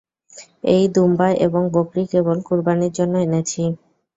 এই দুম্বা এবং বকরী কেবল কুরবানীর জন্য এনেছি।